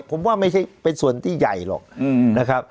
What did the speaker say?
ผมว่าไม่ใช่เป็นส่วนที่ใหญ่หรอกนะครับ